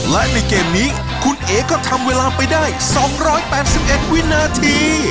และในเกมนี้คุณเอ๋ก็ทำเวลาไปได้๒๘๑วินาที